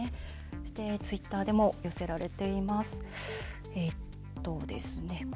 ツイッターでも寄せられています。